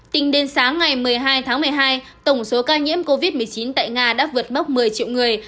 tính đến sáng ngày một mươi hai tháng một mươi hai tổng số ca nhiễm covid một mươi chín tại nga đã vượt mốc một mươi triệu người